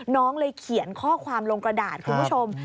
น้องเลยเขียนข้อความลงกระดาษคุณผู้ชม